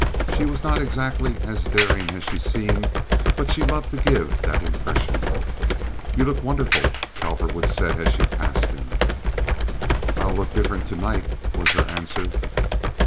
She was not exactly as daring as she seemed, but she loved to give that impression. "You look wonderful," Cowperwood said as she passed him. "I'll look different to night," was her answer.